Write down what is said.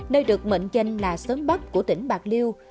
nơi được mệnh danh là sớm bắp của tỉnh bạc liêu